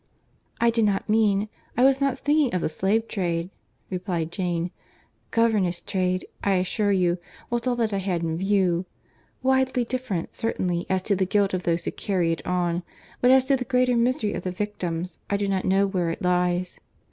"I did not mean, I was not thinking of the slave trade," replied Jane; "governess trade, I assure you, was all that I had in view; widely different certainly as to the guilt of those who carry it on; but as to the greater misery of the victims, I do not know where it lies.